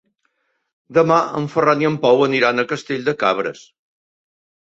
Demà en Ferran i en Pau aniran a Castell de Cabres.